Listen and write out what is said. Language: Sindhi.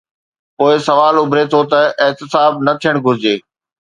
پوءِ سوال اڀري ٿو ته: احتساب نه ٿيڻ گهرجي؟